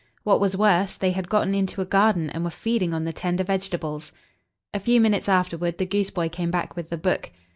What was worse, they had gotten into a garden, and were feeding on the tender veg e ta bles. A few minutes after ward, the goose boy came back with the book.